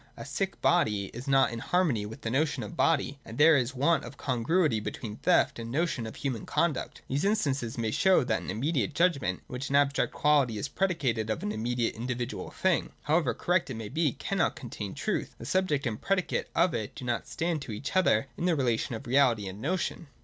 A sick body is not in harmony with the notion of body, and there is a 'want of congruity between theft and the notion of human conduct. These instances may show that an immediate judgment, in which an abstract quality is pre dicated of an immediately individual thing, however correct it may be, cannot contain truth. The subject and predicate of it do not stand to each other in the relation of reality and notion.